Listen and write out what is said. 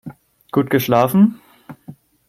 Gut geschlafen?